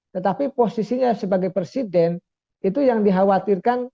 tetapi posisinya sebagai presiden itu yang dikhawatirkan